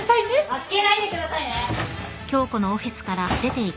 助けないでくださいね！